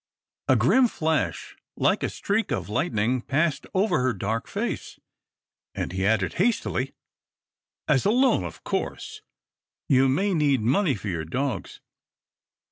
A grim flash like a streak of lightning passed over her dark face, and he added, hastily, "As a loan, of course. You may need money for your dogs.